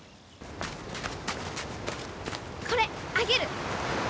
これあげる！